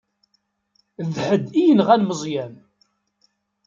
D ḥedd i yenɣan Meẓyan.